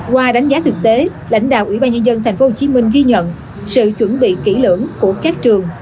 qua đánh giá thực tế lãnh đạo ủy ban nhân dân tp hcm ghi nhận sự chuẩn bị kỹ lưỡng của các trường